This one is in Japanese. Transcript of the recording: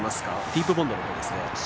ディープボンドのほうですね。